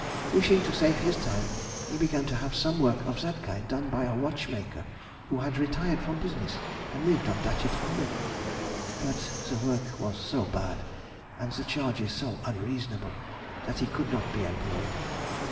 Wishing to save his time, he began to have some work of that kind done by a watchmaker who had retired from business and lived on Datchet Common, but the work was so bad, and the charges so unreasonable, that he could not be employed.